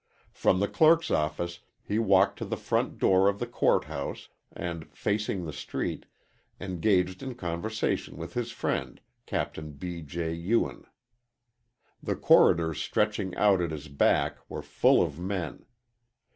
From the clerk's office he walked to the front door of the court house, and, facing the street, engaged in conversation with his friend, Capt. B. J. Ewen. The corridors stretching out at his back were full of men.